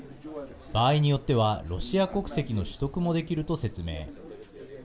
場合によってはロシア国籍の取得もできると説明。